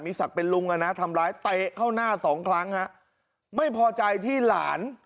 ศักดิ์เป็นลุงอ่ะนะทำร้ายเตะเข้าหน้าสองครั้งฮะไม่พอใจที่หลาน